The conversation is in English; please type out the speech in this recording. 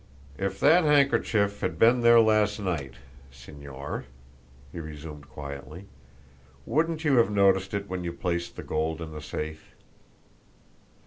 "If that handkerchief had been there last night, Señor," he resumed quietly, "wouldn't you have noticed it when you placed the gold in the safe?"